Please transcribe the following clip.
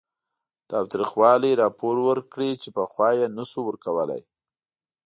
تاوتریخوالي راپور ورکړي چې پخوا یې نه شو ورکولی